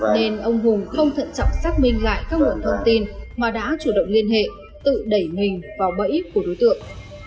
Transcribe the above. nên ông hùng không thận trọng xác minh lại các luận thông tin mà đã chủ động liên hệ tự đẩy mình vào bẫy của đối tượng